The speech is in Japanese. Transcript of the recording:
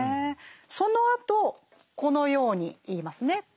そのあとこのように言いますね。